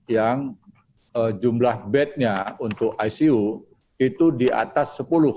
yang jumlah bednya untuk icu itu di atas sepuluh